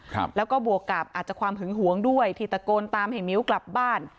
ครับแล้วก็บวกกับอาจจะความหึงหวงด้วยที่ตะโกนตามให้มิ้วกลับบ้าน